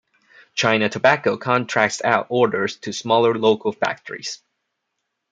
China Tobacco contracts out orders to smaller, local factories.